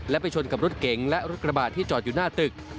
และไปชนกับรถเก๋งและรถกระบาดที่จอดอยู่หน้าตึก